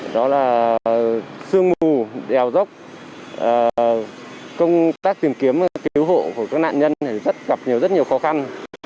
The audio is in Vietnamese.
đó là sương mù đèo dốc công tác tìm kiếm cứu hộ của các nạn nhân gặp nhiều rất nhiều khó khăn